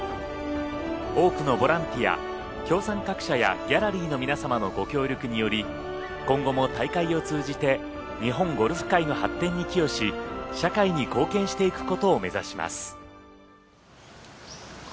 多くのボランティア、協賛各社やギャラリーの皆様のご協力により今後も大会を通じて日本ゴルフ界の発展に寄与し社会に貢献していくことを目指します。